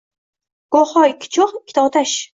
Go’yoki ikki cho’g’, ikkita otash